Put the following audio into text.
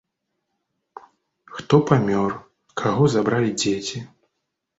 Хто памёр, каго забралі дзеці.